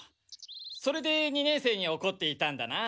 それで二年生におこっていたんだな。